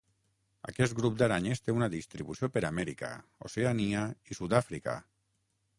Aquest grup d'aranyes té una distribució per Amèrica, Oceania i Sud-àfrica.